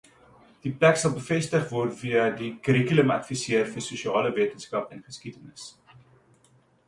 Die plek sal bevestig word via die kurrikulumadviseur vir Sosiale Wetenskappe en Geskiedenis.